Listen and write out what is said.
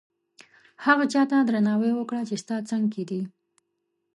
هغه چاته درناوی وکړه چې ستا څنګ کې دي.